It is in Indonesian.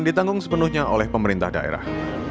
ditanggung sepenuhnya oleh pemerintah daerah